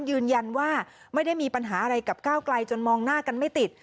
ยืนยันว่าไม่ได้มีปัญหาอะไรกับก้าวไกลจนมองหน้ากันไม่ติด